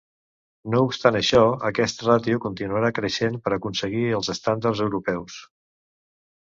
No obstant això, aquest ràtio continuarà creixent per a aconseguir els estàndards europeus.